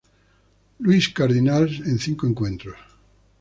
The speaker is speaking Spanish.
Louis Cardinals en cinco encuentros.